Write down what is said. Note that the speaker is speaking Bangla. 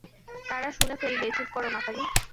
তারা শুনে ফেলবে চুপ কর মাতারি।